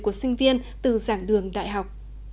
của sinh viên từ dạng đường đại học